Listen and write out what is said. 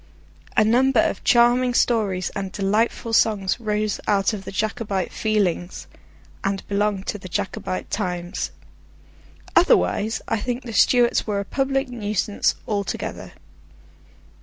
A number of charming stories and delightful songs arose out of the Jacobite feelings, and belong to the Jacobite times. Otherwise I think the Stuarts were a public nuisance altogether.